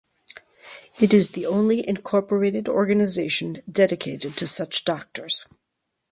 It is the only incorporated organization dedicated to such doctors.